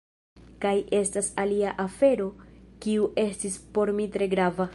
Kaj estas alia afero kiu estis por mi tre grava.